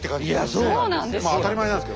そうなんですよ。